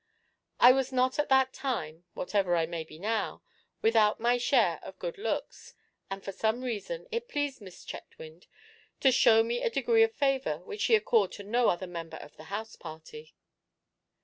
I was not at that time, whatever I may be now, without my share of good looks, and for some reason it pleased Miss Chetwynd to show me a degree of favour which she accorded to no other member of the house party.